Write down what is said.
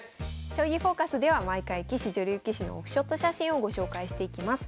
「将棋フォーカス」では毎回棋士女流棋士のオフショット写真をご紹介していきます。